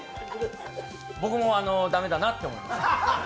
僕も駄目だなって思います。